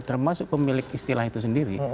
termasuk pemilik istilah itu sendiri